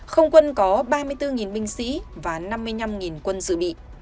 không quân có ba mươi bốn binh sĩ và năm mươi năm quân dự bị